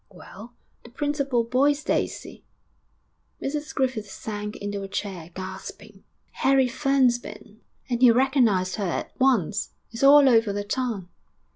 'Well, the principal boy's Daisy.' Mrs Griffith sank into a chair, gasping. 'Harry Ferne's been, and he recognised her at once. It's all over the town.'